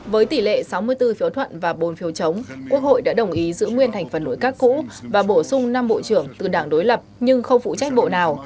với tỷ lệ sáu mươi bốn phiếu thuận và bốn phiếu chống quốc hội đã đồng ý giữ nguyên thành phần nội các cũ và bổ sung năm bộ trưởng từ đảng đối lập nhưng không phụ trách bộ nào